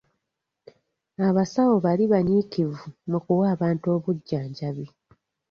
Abasawo bali banyiikivu mu kuwa bantu obujjanjabi.